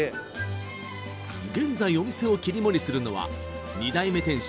現在お店を切り盛りするのは２代目店主